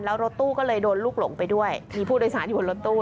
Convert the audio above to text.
แล้วรถตู้ก็เลยโดนลูกหลงไปด้วยมีผู้โดยสารอยู่บนรถตู้